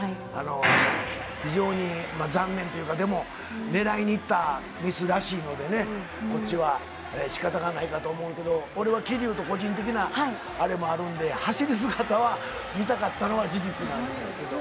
非常に残念というか、でも狙いにいったミスらしいので、仕方がないと思うけれど、俺は桐生と個人的なあれもあるんで、走る姿は見たかったのは事実です。